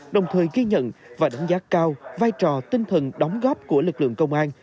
đồng thời ghi nhận và đánh giá cao vai trò tinh thần đóng góp của lực lượng công an